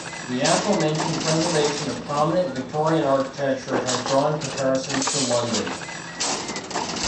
The aforementioned preservation of prominent Victorian architecture has drawn comparisons to London.